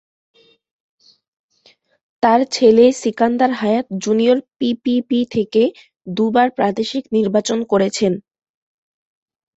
তার ছেলে Sikandar Hayat junior PPP থেকে দু'বার প্রাদেশিক নির্বাচন করেছেন।